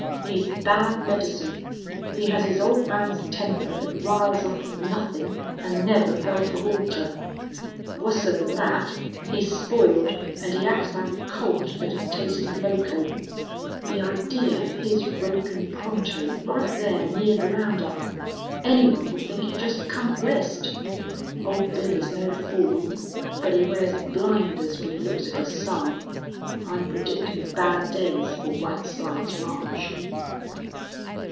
He's bad medicine. He has his old man's temper thet riles up at nuthin' an' never felt a halter. Wusser'n thet, he's spoiled an' he acts like a colt thet'd tasted loco. The idee of his ropin' Pronto right thar near the round up! Any one would think he jest come West. Old Bill is no fool. But he wears blinders when he looks at his son. I'm predictin' bad days fer White Slides Ranch."